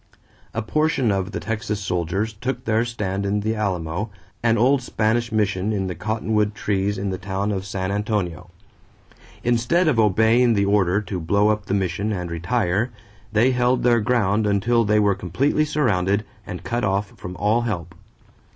A portion of the Texan soldiers took their stand in the Alamo, an old Spanish mission in the cottonwood trees in the town of San Antonio. Instead of obeying the order to blow up the mission and retire, they held their ground until they were completely surrounded and cut off from all help.